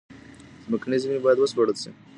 ځمکني زېرمي بايد و سپړل سي.